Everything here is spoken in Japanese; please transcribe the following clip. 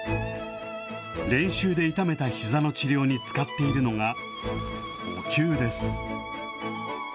練習で痛めたひざの治療に使っているのが、おきゅうです。